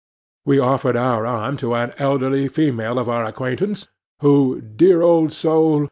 We offered our arm to an elderly female of our acquaintance, who—dear old soul!